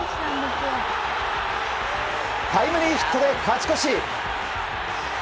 タイムリーヒットで勝ち越し。